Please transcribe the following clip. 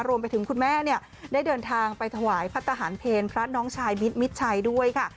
รวมไปถึงคุณแม่ได้เดินทางไปถวายพัฒนาภัณฑ์เพลงพระน้องชายมิตรมิตรชัยด้วยค่ะ